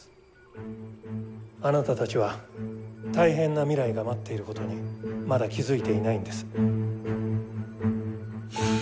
あなたたちは大変な未来が待っていることにまだ気付いていないんです。